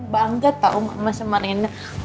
bangga tau mama sama rena